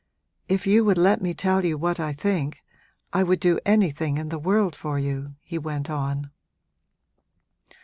'If you would let me tell you what I think I would do anything in the world for you!' he went on.